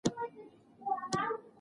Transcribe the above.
د "سندیتون" لیکلو پر مهال ناروغه شوه.